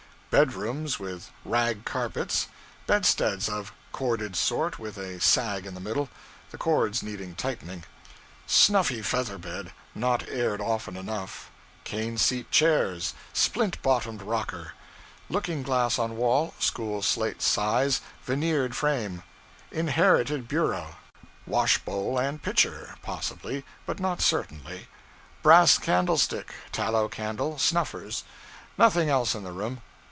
Bedrooms with rag carpets; bedsteads of the 'corded' sort, with a sag in the middle, the cords needing tightening; snuffy feather bed not aired often enough; cane seat chairs, splint bottomed rocker; looking glass on wall, school slate size, veneered frame; inherited bureau; wash bowl and pitcher, possibly but not certainly; brass candlestick, tallow candle, snuffers. Nothing else in the room.